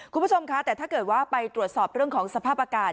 คุณผู้ชมคะแต่ถ้าเกิดว่าไปตรวจสอบเรื่องของสภาพอากาศ